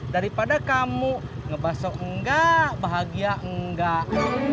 daripada kamu ngebasok enggak bahagia enggak